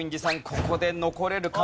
ここで残れるか？